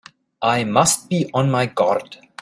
I must be on my guard!